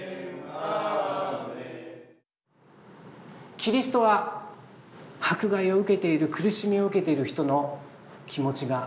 キリストは迫害を受けている苦しみを受けている人の気持ちが分かります。